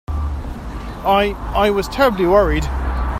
I—I was terribly worried.